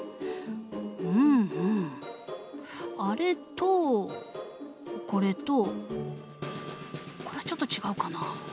うんうんあれとこれとこれはちょっと違うかな？